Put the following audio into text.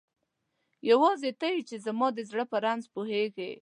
یواځی ته یی چی زما د زړه په رنځ پوهیږی